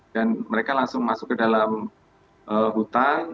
dan mereka langsung masuk ke dalam hutan